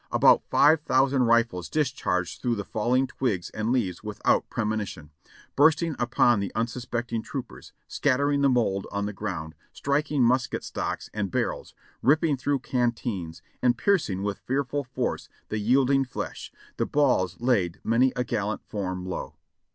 About five thousand rifles discharged through the falling twigs and leaves without premonition, bursting upon the unsuspecting troopers, scattering the mould on the ground, striking musket stocks and barrels, ripping through canteens, and piercing with fearful force the yielding flesh, the balls laid many a gallant form low.